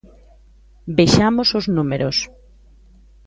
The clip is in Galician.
Vexamos os números.